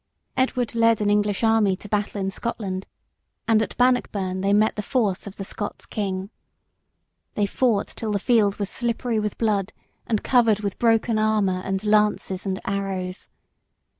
Edward led an English army to battle in Scotland; and at Bannockburn they met the force of the Scots king. They fought till the field was slippery with blood, and covered with broken armour and lances and arrows.